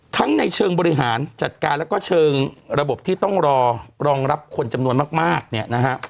ในเชิงบริหารจัดการแล้วก็เชิงระบบที่ต้องรอรองรับคนจำนวนมากเนี่ยนะฮะ